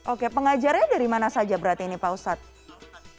oke pengajarnya dari mana saja berarti ini pak ustadz